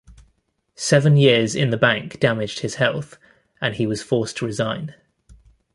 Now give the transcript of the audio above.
Seven years in the bank damaged his health, and he was forced to resign.